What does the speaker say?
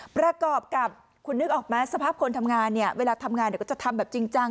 ประกอบกับคุณนึกออกไหมสภาพคนทำงานเนี่ยเวลาทำงานเดี๋ยวก็จะทำแบบจริงจัง